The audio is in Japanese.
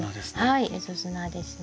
はい蝦夷砂ですね。